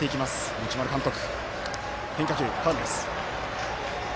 持丸監督。